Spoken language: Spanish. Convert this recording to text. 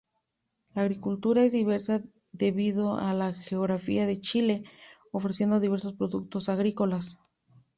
La agricultura es diversa debido a la geografía de Chile, ofreciendo diversos productos agrícolas.